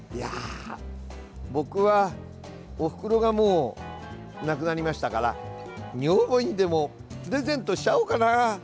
僕は、おふくろがもう亡くなりましたから女房にでもプレゼントしちゃおうかな。